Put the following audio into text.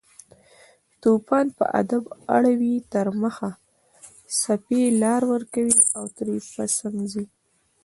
توپان په ادب اړوي تر مخه، څپې لار ورکوي او ترې په څنګ ځي